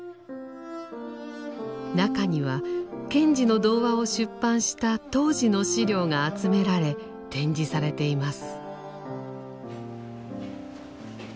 中には賢治の童話を出版した当時の資料が集められ展示されています。